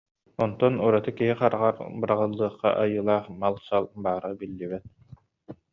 онтон ураты киһи хараҕар быраҕыллыахха айылаах мал-сал баара биллибэт